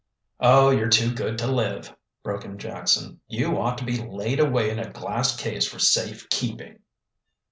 "Oh, you're too good to live!" broke in Jackson. "You ought to be laid away in a glass case for safe keeping."